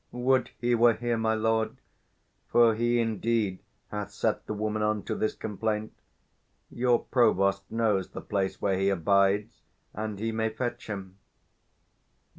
P._ Would he were here, my lord! for he, indeed, Hath set the women on to this complaint: Your provost knows the place where he abides, 250 And he may fetch him.